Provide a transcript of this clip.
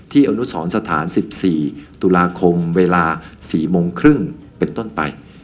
อนุสรสถาน๑๔ตุลาคมเวลา๔โมงครึ่งเป็นต้นไป